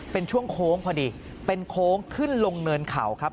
เป็นช่วงโค้งพอดีเป็นโค้งขึ้นลงเนินเขาครับ